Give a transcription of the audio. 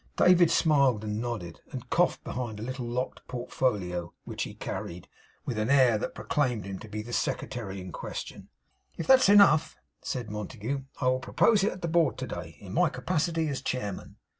David smiled and nodded, and coughed behind a little locked portfolio which he carried; with an air that proclaimed him to be the secretary in question. 'If that's enough,' said Montague, 'I will propose it at the Board to day, in my capacity as chairman.